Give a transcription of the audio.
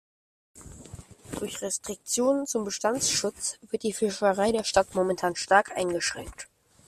Durch Restriktionen zum Bestandsschutz wird die Fischerei der Stadt momentan stark eingeschränkt.